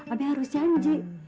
abeng harus janji